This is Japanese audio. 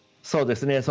そうですね。